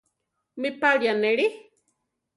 ¿Mi páli anéli?